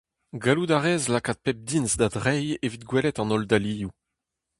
Gallout a rez lakaat pep diñs da dreiñ evit gwelet an holl dalioù.